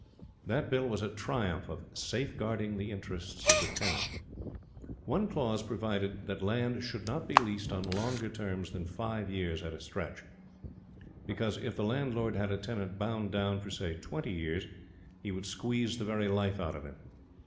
That Bill was a triumph of "safe guarding the interests of the tenant." One clause provided that land should not be leased on longer terms than five years at a stretch; because, if the landlord had a tenant bound down for, say, twenty years, he would squeeze the very life out of him.